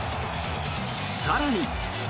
更に。